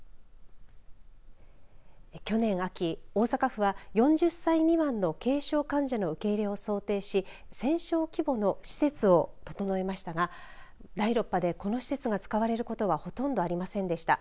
去年秋、大阪府は４０歳未満の軽症患者の受け入れを想定し１０００床規模の施設を整えましたが第６波で、この施設が使われることはほとんどありませんでした。